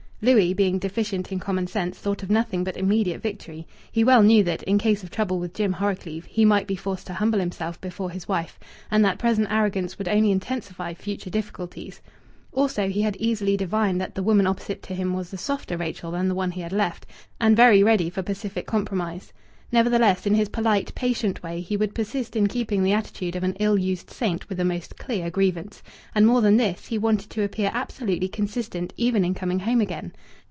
Louis, being deficient in common sense, thought of nothing but immediate victory. He well knew that, in case of trouble with Jim Horrocleave, he might be forced to humble himself before his wife, and that present arrogance would only intensify future difficulties. Also, he had easily divined that the woman opposite to him was a softer Rachel than the one he had left, and very ready for pacific compromise. Nevertheless, in his polite, patient way, he would persist in keeping the attitude of an ill used saint with a most clear grievance. And more than this, he wanted to appear absolutely consistent, even in coming home again.